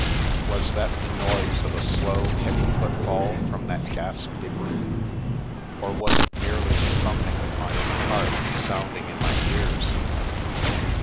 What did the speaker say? Was that the noise of a slow, heavy footfall from that ghastly room, or was it merely the thumping of my own heart sounding in my ears?